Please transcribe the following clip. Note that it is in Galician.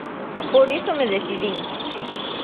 Por iso me decidín.